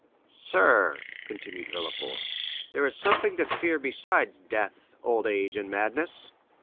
30031m "Sir," continued Villefort, "there is something to fear besides death, old age, and madness.